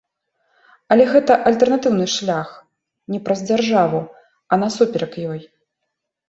Але гэта альтэрнатыўны шлях, не праз дзяржаву, а насуперак ёй.